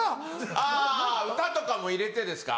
あぁ歌とかも入れてですか？